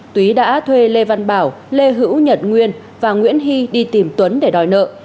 tú đã thuê lê văn bảo lê hữu nhật nguyên và nguyễn hy đi tìm tuấn để đòi nợ